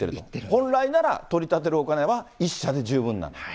本来なら取り立てるお金は１社で十分なのに。